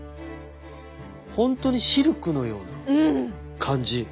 本当にシルクのような感じ。